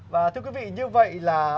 và thưa quý vị như vậy là